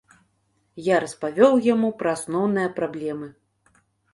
Я распавёў яму пра асноўныя праблемы.